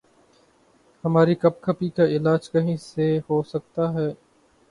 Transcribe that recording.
ہماری کپکپی کا علاج کہیں سے ہو سکتا ہے؟